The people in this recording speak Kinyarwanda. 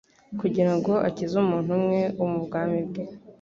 Kugira ngo akize umuntu umwe wo mu bwami bwe,